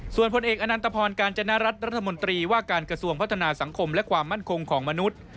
ส่วนผลเอกอนันตพรกาญจนรัฐรัฐมนตรีว่าการกระทรวงพัฒนาสังคมและความมั่นคงของมนุษย์